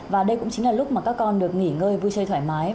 và đây cũng chính là lúc mà các con được nghỉ ngơi vui chơi thoải mái